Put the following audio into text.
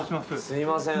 すいません。